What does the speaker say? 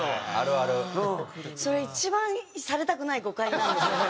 それ一番されたくない誤解なんですよ。